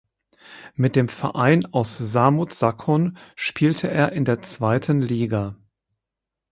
Mit dem Verein aus Samut Sakhon spielte er in der zweiten Liga.